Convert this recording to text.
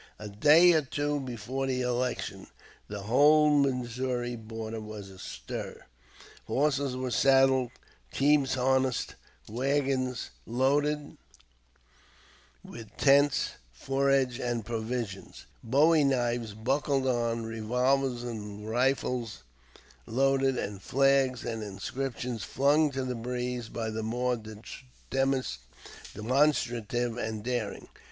A day or two before the election the whole Missouri border was astir. Horses were saddled, teams harnessed, wagons loaded with tents, forage, and provisions, bowie knives buckled on, revolvers and rifles loaded, and flags and inscriptions flung to the breeze by the more demonstrative and daring.